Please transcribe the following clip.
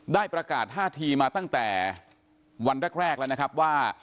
ได้ประกาศท่าทีมาตั้งแต่วันแรกแล้วนะครับว่า